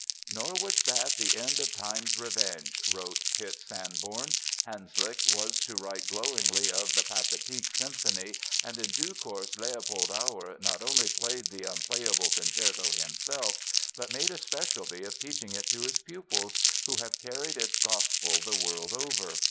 "Nor was that the end of time's revenges," wrote Pitts Sanborn. "Hanslick was to write glowingly of the 'Pathétique' symphony, and in due course Leopold Auer not only played the unplayable concerto himself, but made a specialty of teaching it to his pupils, who have carried its gospel the world over.